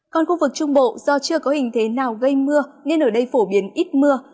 còn khu vực trung bộ do chưa có hình thế nào gây mưa nên ở đây phổ biến ít mưa